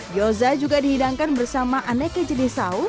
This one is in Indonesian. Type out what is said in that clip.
gyoza juga dihidangkan bersama aneka jenis saus